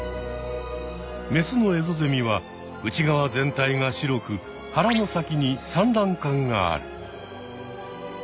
メスのエゾゼミは内側全体が白く腹の先に産卵管がある。